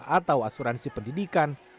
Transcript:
atau asuransi pendidikan